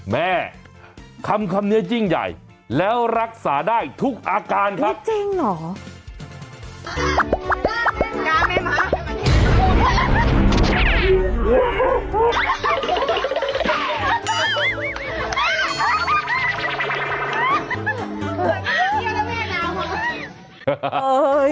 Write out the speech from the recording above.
แม่คำคำเนื้อจริงใหญ่แล้วรักษาได้ทุกอาการครับเนื้อจริงเหรอ